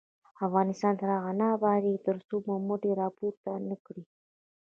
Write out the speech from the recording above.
افغانستان تر هغو نه ابادیږي، ترڅو مو مټې راپورته نه کړي.